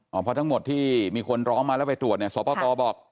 เพราะทั้งหมดที่มีคนร้อมาไปตรวจส่วนประตุรบอก